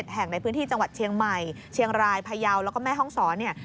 แห่งในพื้นที่จังหวัดเชียงใหม่เชียงรายพยาวแล้วก็แม่ห้องศรเนี่ย